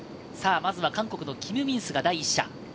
まずは韓国のキム・ミンスが第１射。